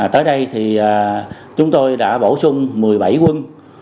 tới đây thì chúng tôi đã bổ sung một mươi bảy quân